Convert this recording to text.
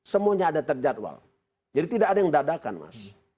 semuanya ada terjadwal jadi tidak ada yang dadakan mas